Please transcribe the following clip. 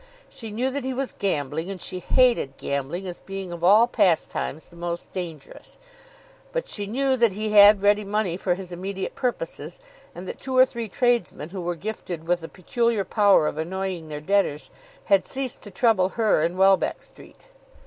She knew that he was gambling, and she hated gambling as being of all pastimes the most dangerous. But she knew that he had ready money for his immediate purposes, and that two or three tradesmen who were gifted with a peculiar power of annoying their debtors, had ceased to trouble her in Welbeck Street.